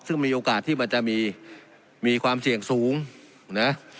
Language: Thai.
ซึ่งมีโอกาสที่มันจะมีความเสี่ยงสูงนะ